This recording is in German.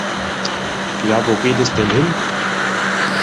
Ja wo geht es denn hin?